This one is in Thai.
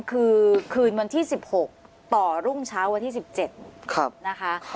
คือคืนวันที่๑๖ต่อรุ่งเช้าวันที่๑๗นะคะ